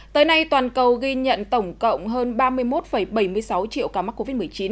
tới nay toàn cầu ghi nhận tổng cộng hơn ba mươi một bảy mươi sáu triệu ca mắc covid một mươi chín